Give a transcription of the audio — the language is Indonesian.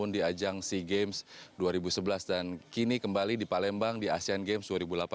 di ajang sea games dua ribu sebelas dan kini kembali di palembang di asean games dua ribu delapan belas